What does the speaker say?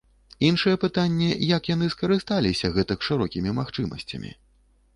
Іншае пытанне, як яны скарысталіся гэтак шырокімі магчымасцямі.